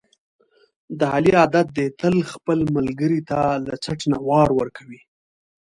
د علي عادت دی، تل خپل ملګري ته له څټ نه وار ورکوي.